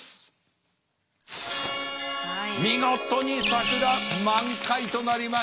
見事に桜満開となりました。